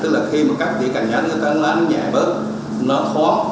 tức là khi cắt tỉa cành nhắn nó nhẹ bớt nó khó